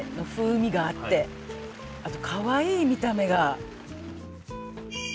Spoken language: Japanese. あとかわいい見た目が。